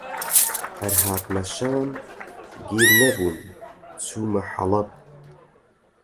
هەر هاتمە شام، گیر نەبووم چوومە حەڵەب